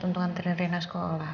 untuk nganterin nantrin sekolah